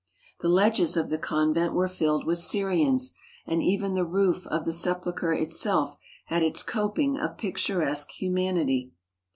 The ledges of the convent were filled with Syrians, and even the roof of the Sepulchre itself had its coping of picturesque hu manity.